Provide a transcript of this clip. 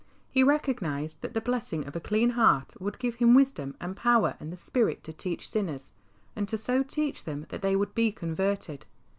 He recognised that the blessing of a clean heart would give him wisdom and power and the spirit to teach sinners, and to so teach them that they would be converted.